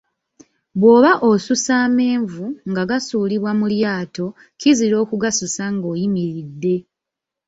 Bwoba oususa amenvu nga gasuulibwa mu lyato, kizira okugasuulamu nga oyimiridde.